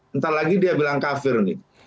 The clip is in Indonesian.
entah lagi dia bilang kafir nih